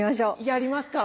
やりますか？